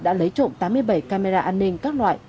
đã lấy trộm tám mươi bảy camera an ninh các loại